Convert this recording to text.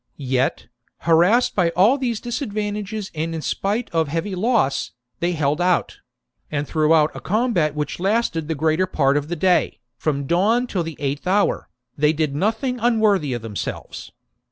Yet, harassed by all these disadvantages and in ,spite of heavy loss, they held out ; and throughout a combat which lasted the greater part of the day, from dawn till the eighth hour, they did nothing unworthy of them selves.